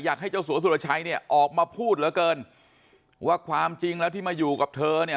เจ้าสัวสุรชัยเนี่ยออกมาพูดเหลือเกินว่าความจริงแล้วที่มาอยู่กับเธอเนี่ย